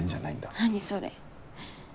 何それ？